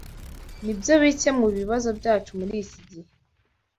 Nibyo bike mubibazo byacu muriki gihe.